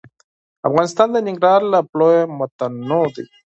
افغانستان د ننګرهار له پلوه متنوع دی.